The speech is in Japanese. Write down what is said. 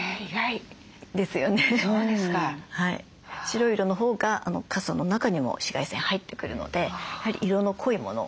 白い色のほうが傘の中にも紫外線入ってくるのでやはり色の濃いもの